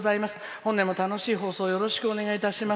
本年も楽しい放送をよろしくお願いします。